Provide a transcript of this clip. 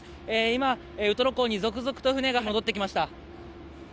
今、ウトロ港に続々と船が戻ってきました。